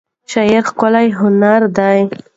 شعر ښکلی هنر دی.